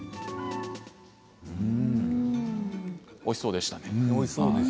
おいしそうでしたね。